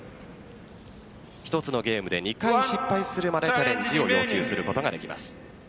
１つのゲームで２回失敗するまでチャレンジを要求することができます。